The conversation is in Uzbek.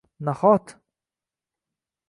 Nahot